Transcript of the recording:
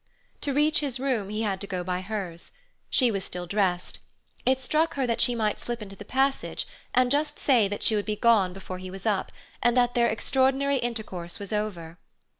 To reach his room he had to go by hers. She was still dressed. It struck her that she might slip into the passage and just say that she would be gone before he was up, and that their extraordinary intercourse was over.